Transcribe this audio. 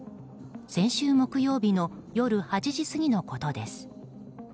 先週木曜日の夜８時過ぎのことです。